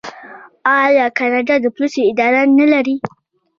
آیا کاناډا د پولیسو اداره نلري؟